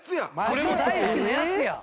俺も大好きなやつや！